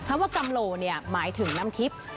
คำว่ากำโหลหมายถึงน้ำทิพย์